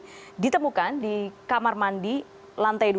jadi ditemukan di kamar mandi lantai dua